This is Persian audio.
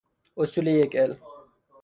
اصول یک علم